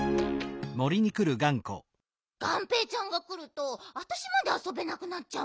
がんぺーちゃんがくるとあたしまであそべなくなっちゃうもん。